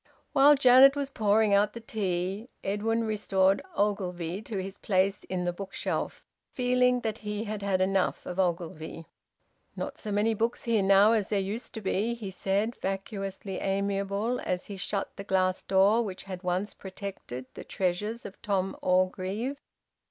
While Janet was pouring out the tea, Edwin restored Ogilvie to his place in the bookcase, feeling that he had had enough of Ogilvie. "Not so many books here now as there used to be!" he said, vacuously amiable, as he shut the glass door which had once protected the treasures of Tom Orgreave.